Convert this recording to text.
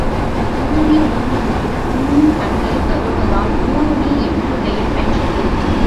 ஊருணி ஊராருக்கு உண்ணும் தண்ணீர் தருவதால் ஊருணி என்று பெயர் பெற்றது.